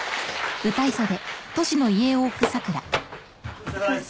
お疲れさまです。